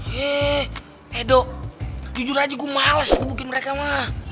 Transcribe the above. yee doh jujur aja kumales gebukin mereka mah